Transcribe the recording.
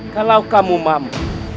kalau kamu mampu